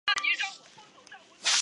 教堂内有维也纳最古老的管风琴。